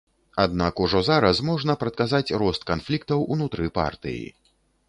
Аднак ужо зараз можна прадказаць рост канфліктаў унутры партыі.